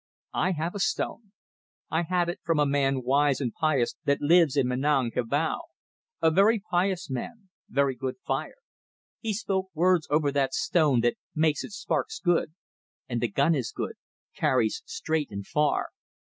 "I have a stone. I had it from a man wise and pious that lives in Menang Kabau. A very pious man very good fire. He spoke words over that stone that make its sparks good. And the gun is good carries straight and far.